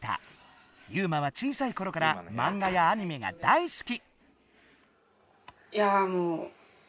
ユウマは小さいころからマンガやアニメが大好き！